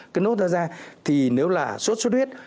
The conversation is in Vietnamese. cái nốt ra da thì nếu là suốt suốt huyết